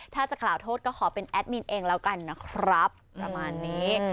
ถ้าจะกล่าวโทษก็ขอเป็นแอดมินเองแล้วกันนะครับประมาณนี้